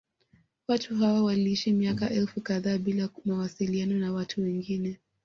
Watu hao waliishi miaka elfu kadhaa bila mawasiliano na watu wengine